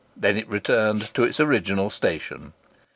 Then it returned to its original station.